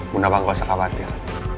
bunda bang gak usah khawatir